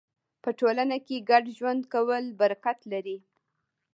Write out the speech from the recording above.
په ټولنه کې ګډ ژوند کول برکت لري.